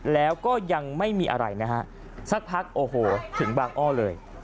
แล้วก็ยังไม่มีอะไรนะฮะสักพักโอ้โหถึงบางอ้อเลย